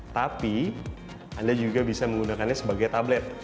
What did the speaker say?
tapi anda juga bisa menggunakannya sebagai tablet